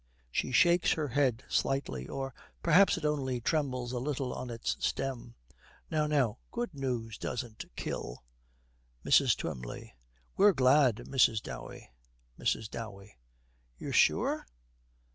She shakes her head slightly, or perhaps it only trembles a little on its stem. 'Now, now, good news doesn't kill.' MRS. TWYMLEY. 'We're glad, Mrs. Dowey.' MRS. DOWEY. 'You're sure?'